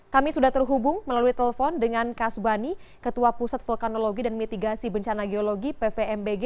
kami sudah terhubung melalui telepon dengan kasbani ketua pusat vulkanologi dan mitigasi bencana geologi pvmbg